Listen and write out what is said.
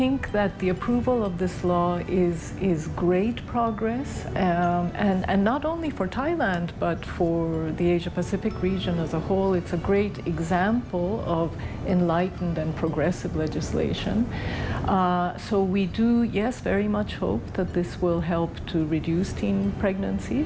ในสิทธิการต่างรุ่นตั้งครับ